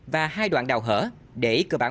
và hai đoạn đào hở để cơ bản